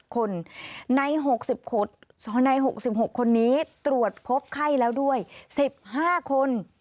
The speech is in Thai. คนใน๖๖คนนี้ตรวจพบไข้แล้วด้วย๑๕คน